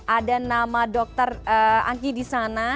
ada nama dokter anggi di sana